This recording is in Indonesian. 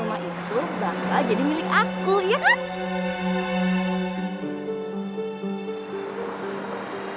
rumah itu bakal jadi milik aku ya kan